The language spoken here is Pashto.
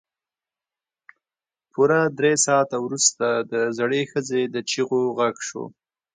پوره درې ساعته وروسته د زړې ښځې د چيغو غږ شو.